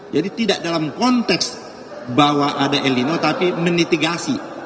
jadi tidak dalam konteks bahwa ada el lino tapi menitigasi